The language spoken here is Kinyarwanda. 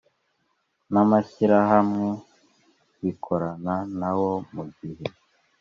N amashyirahamwe bikorana nawo mu gihe